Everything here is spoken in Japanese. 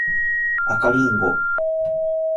赤リンゴ